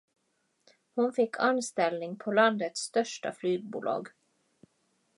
Hon fick anställning på landets största flygbolag.